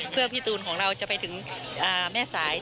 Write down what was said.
เพื่อพี่ตูนของเราจะไปถึงแม่สาย